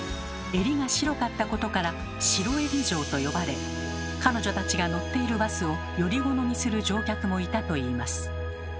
襟が白かったことから「白襟嬢」と呼ばれ彼女たちが乗っているバスをより好みする乗客もいたといいます。